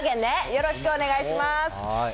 よろしくお願いします。